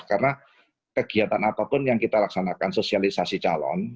karena kegiatan apapun yang kita laksanakan sosialisasi calon